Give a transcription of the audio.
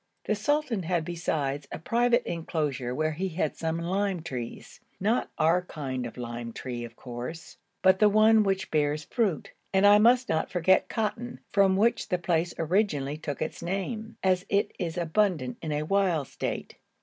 The sultan has besides a private inclosure where he has some lime trees, not our kind of lime tree of course, but the one which bears fruit; and I must not forget cotton, from which the place originally took its name, as it is abundant in a wild state.